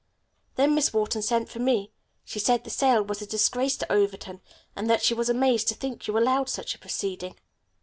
Then Miss Wharton sent for me. She said the sale was a disgrace to Overton, and that she was amazed to think you allowed such a proceeding.